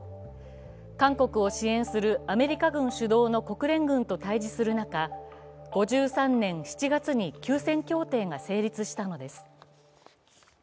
韓国を支援するアメリカ軍主導の国連軍と対峙する中、５３年７月に休戦協定が成立したのです。